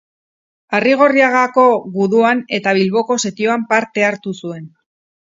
Arrigorriagako Guduan eta Bilboko setioan parte hartu zuen.